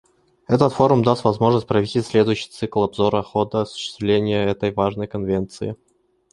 Этот форум даст возможность провести следующий цикл обзора хода осуществления этой важной Конвенции.